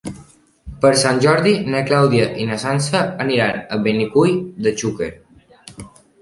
Per Sant Jordi na Clàudia i na Sança aniran a Benicull de Xúquer.